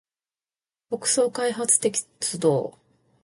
北総開発鉄道